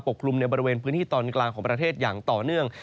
กลุ่มในบริเวณพื้นที่ตอนกลางของประเทศอย่างต่อเนื่อง